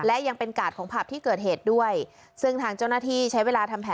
และยังเป็นกาดของผับที่เกิดเหตุด้วยซึ่งทางเจ้าหน้าที่ใช้เวลาทำแผล